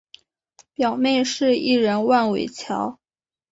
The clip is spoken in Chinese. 表妹是艺人万玮乔。